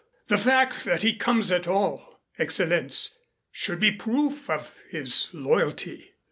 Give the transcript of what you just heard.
The fact that he comes at all, Excellenz, should be proof of his loyalty."